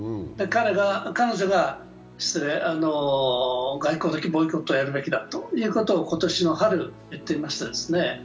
彼女が外交的ボイコットやるべきだということを今年の春、言ってましたね。